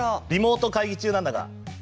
リモート会議中なんだが。